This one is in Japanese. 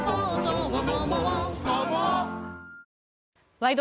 「ワイド！